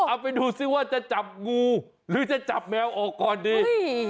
เอาไปดูซิว่าจะจับงูหรือจะจับแมวออกก่อนดี